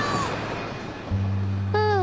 ああ。